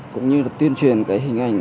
cũng như là tuyên truyền cái hình ảnh